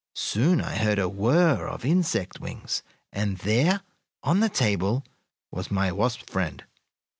Soon I heard a whir of insect wings, and there, on the table, was my wasp friend.